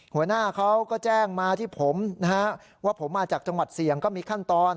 หัวหน้าเขาก็แจ้งมาที่ผมนะฮะว่าผมมาจากจังหวัดเสี่ยงก็มีขั้นตอน